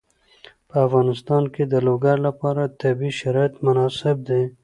په افغانستان کې د لوگر لپاره طبیعي شرایط مناسب دي.